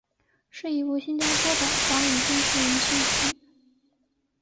是一部新加坡的的华语电视连续剧。